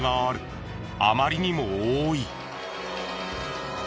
あまりにも多い。